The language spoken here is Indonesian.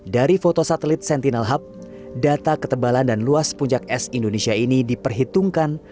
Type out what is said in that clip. dari foto satelit sentinel hub data ketebalan dan luas puncak es indonesia ini diperhitungkan